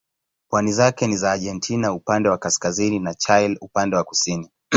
Pwani zake ni za Argentina upande wa kaskazini na Chile upande wa kusini.